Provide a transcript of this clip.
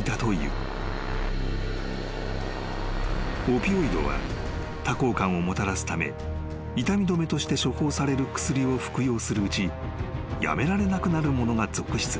［オピオイドは多幸感をもたらすため痛み止めとして処方される薬を服用するうちやめられなくなる者が続出］